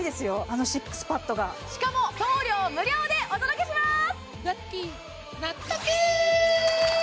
あのＳＩＸＰＡＤがしかも送料無料でお届けします！